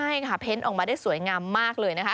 ใช่ค่ะเพ้นออกมาได้สวยงามมากเลยนะคะ